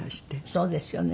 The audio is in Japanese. そうですよね。